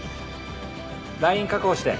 ライン確保して。